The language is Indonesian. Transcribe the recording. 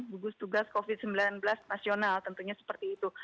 gugus tugas covid sembilan belas nasional tentunya seperti itu